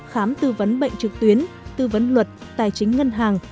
khám tư vấn bệnh trực tuyến tư vấn luật tài chính ngân hàng